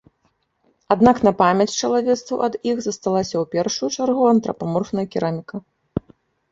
Аднак на памяць чалавецтву ад іх засталася ў першую чаргу антрапаморфная кераміка.